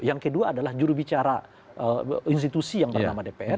yang kedua adalah jurubicara institusi yang bernama dpr